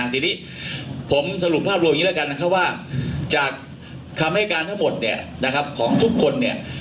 ทีนี้ผมสรุปภาพรวมอย่างนี้แล้วกันจากคำให้การทั้งหมดของทุกคน